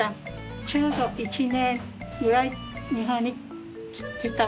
ちょうど１年ぐらい日本に来た。